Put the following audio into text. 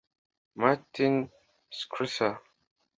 Martin Skrtel